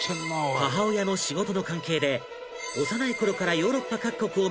母親の仕事の関係で幼い頃からヨーロッパ各国を巡り